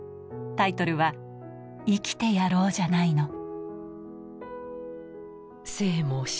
タイトルは『生きてやろうじゃないの！』。